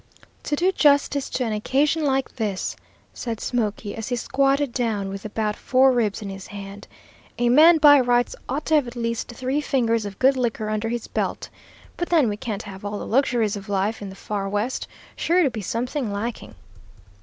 "To do justice to an occasion like this," said Smoky as he squatted down with about four ribs in his hand, "a man by rights ought to have at least three fingers of good liquor under his belt. But then we can't have all the luxuries of life in the far West; sure to be something lacking."